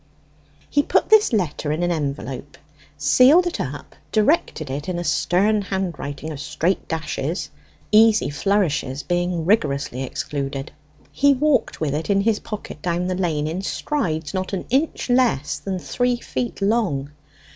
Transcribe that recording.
He put this letter in an envelope, sealed it up, directed it in a stern handwriting of straight dashes easy flourishes being rigorously excluded. He walked with it in his pocket down the lane in strides not an inch less than three feet long.